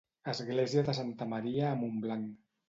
Església de Santa Maria a Montblanc